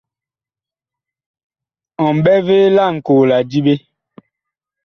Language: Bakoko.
Ɔ mɓɛ vee laŋkoo la diɓe?